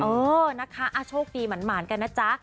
เออนะคะโชคดีหมานกันนะจ๊ะ